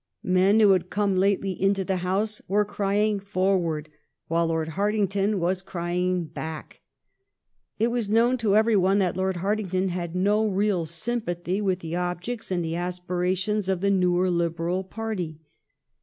Men who had come lately into the House were crying " Forward !" while Lord Hartington was crying " Back !" It was known to every one that Lord Hartington had no real sympathy with the objects and the aspirations of the newer Liberal party.